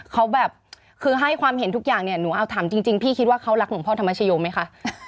เขาแบบคือให้ความเห็นทุกอย่างเนี่ยหนูเอาถามจริงพี่คิดว่าเขารักหลวงพ่อธรรมชโยมไหมคะ